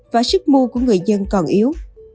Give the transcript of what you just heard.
và sức mua của người dân còn yếu